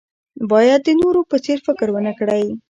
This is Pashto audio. باید د نورو په څېر فکر ونه کړئ.